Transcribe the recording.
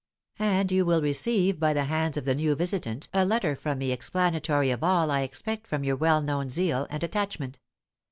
And you will receive by the hands of the new visitant a letter from me explanatory of all I expect from your well known zeal and attachment.